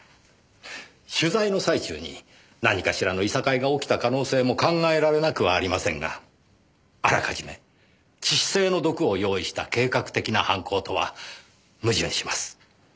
取材の最中に何かしらのいさかいが起きた可能性も考えられなくはありませんがあらかじめ致死性の毒を用意した計画的な犯行とは矛盾します。